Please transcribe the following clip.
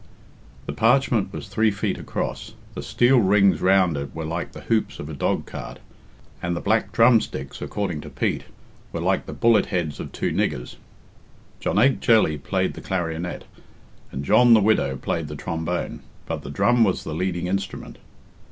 The parchment was three feet across, the steel rings round it were like the hoops of a dog cart, and the black drumsticks, according to Pete, were like the bullet heads of two niggers. Jonaique Jelly played the clarionet, and John the Widow played the trombone, but the drum was the leading instrument.